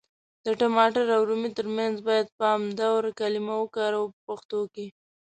د ټماټر او رومي پر ځای بايد پامدور کلمه وکاروو په پښتو کي.